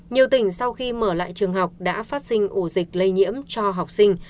nhiều tỉnh sau khi mở lại trường học đã phát sinh ổ dịch lây nhiễm cho học sinh